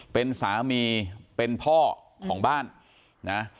เป็นสามีเป็นพ่อของบ้านนะ